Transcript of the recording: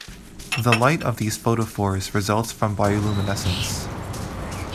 The light of these photophores results from bioluminescence.